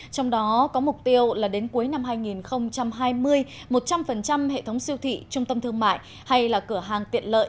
trong đó có mục tiêu là đến cuối năm hai nghìn hai mươi một trăm linh hệ thống siêu thị trung tâm thương mại hay là cửa hàng tiện lợi